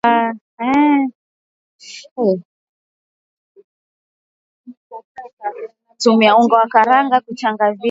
tumia unga wa karanga kuchanganya na viazi